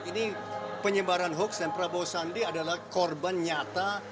ini penyebaran hoax dan prabowo sandi adalah korban nyata